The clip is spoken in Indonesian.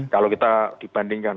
kalau kita dibandingkan